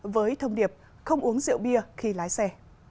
với thông điệp không uống rượu bia khi lái xe